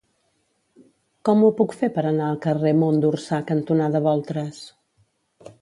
Com ho puc fer per anar al carrer Mont d'Orsà cantonada Boltres?